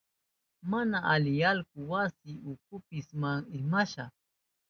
Mana ali allku wasi ukupi ismashka.